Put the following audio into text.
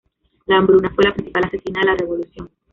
La hambruna fue la principal asesina de la revolución.